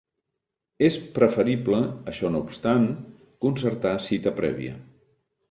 És preferible, això no obstant, concertar cita prèvia.